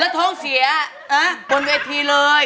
ท้องเสียบนเวทีเลย